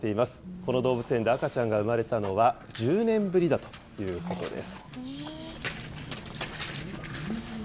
この動物園で赤ちゃんが生まれたのは１０年ぶりだということです。